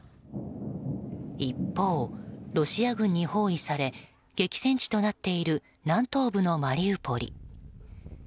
一方、ロシア軍に包囲され激戦地となっている南東部のマリウポリ。